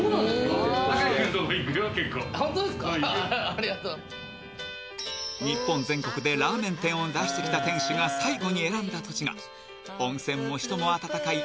ありがとう日本全国でラーメン店を出してきた店主が最後に選んだ土地が温泉も人も温かい